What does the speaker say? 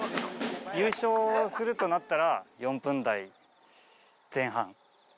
優勝するとなったら、４分台前半。